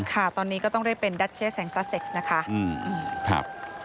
ก็ต้องเรียกว่าดัชเชษ์แห่งซัสเซ็กซ์นะคะครับ